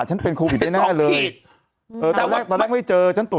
ฉันเป็นโควิดได้แน่เลยตอนแรกตอนแรกไม่เจอฉันตรวจ